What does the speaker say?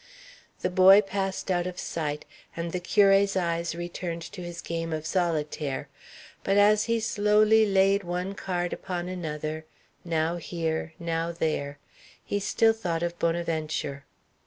The boy passed out of sight, and the curé's eyes returned to his game of solitaire; but as he slowly laid one card upon another, now here, now there, he still thought of Bonaventure.